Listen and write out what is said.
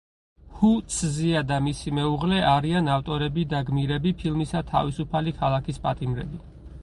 ჰუ ცზია და მისი მეუღლე არიან ავტორები და გმირები ფილმისა „თავისუფალი ქალაქის პატიმრები“.